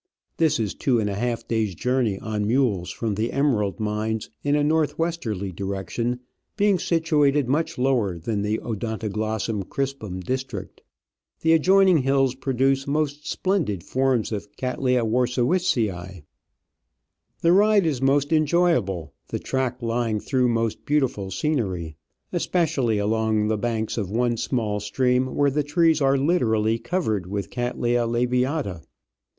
This is two and a half days* jour ney on mules from the emerald mines in a north westerly direction, being situ ated much lower than the Odontoglos sum crispum district. The adjoining hills produce most splen did forms of Cat tleya Warscewiczii. The ride is most enjoyable, the track lying through most beautiful scenery, Digitized by V:iOOQIC 156 Travels and Adventures especially along the banks of one small stream, where the trees are literally covered with Cattleya labiata.